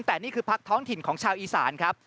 แต่นี่คือพักท้องถิ่นของชาวอีสานครับ